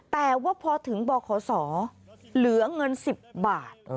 แต่ว่าพอถึงบขศเหลือเงิน๑๐บาท